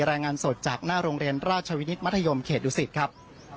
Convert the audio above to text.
รายงานสดจากหน้าโรงเรียนราชวินิตมัธยมเขตดุสิตครับ